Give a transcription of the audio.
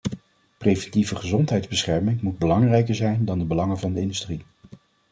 Preventieve gezondheidsbescherming moet belangrijker zijn dan de belangen van de industrie.